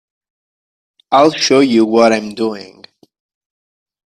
I'll show you what I'm doing.